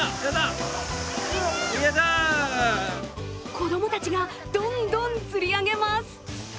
子供たちが、どんどん釣り上げます。